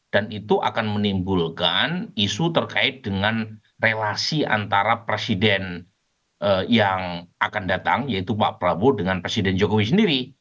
dan itu akan menimbulkan isu terkait dengan relasi antara presiden yang akan datang yaitu pak prabowo dengan presiden jokowi sendiri